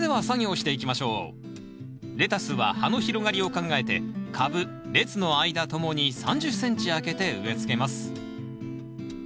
レタスは葉の広がりを考えて株列の間ともに３０ｃｍあけて植えつけます。